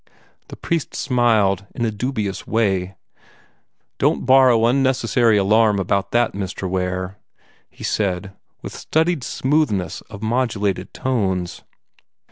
The priest smiled in a dubious way. "Don't borrow unnecessary alarm about that, Mr. Ware," he said, with studied smoothness of modulated tones.